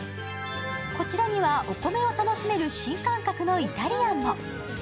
こちらには、お米を楽しめる新感覚のイタリアンも。